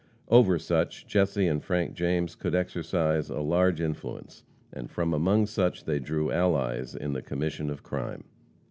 Over such, Jesse and Frank James could exercise a large influence, and from among such they drew allies in the commission of crime.